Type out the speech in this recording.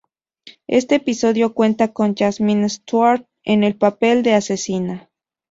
Este episodio cuenta con Jazmín Stuart, en el papel de asesina.